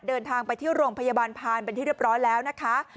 เดินทางไปที่โรงพยาบาลพานเป็นที่เรียบร้อยแล้วนะคะ